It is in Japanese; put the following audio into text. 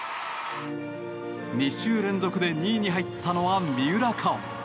２週連続で２位に入ったのは三浦佳生。